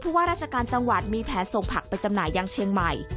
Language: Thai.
ว่าราชการจังหวัดมีแผนส่งผักไปจำหน่ายยังเชียงใหม่